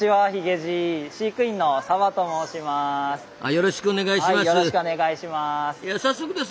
よろしくお願いします。